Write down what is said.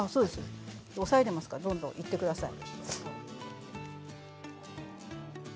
押さえていますからどんどんいってください。